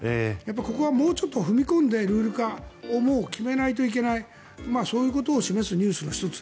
ここはもうちょっと踏み込んでルール化を決めないといけないそういうことを示すニュースの１つ。